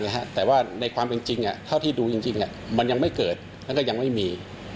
แต่ว่าในความเป็นจริงเท่าที่ดูจริงมันยังไม่เกิดแล้วก็ยังไม่มี